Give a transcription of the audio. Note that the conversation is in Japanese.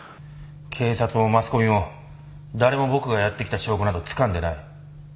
警察もマスコミも誰も僕がやってきた証拠などつかんでない。